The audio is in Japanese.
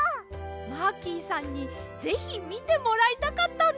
マーキーさんにぜひみてもらいたかったんです！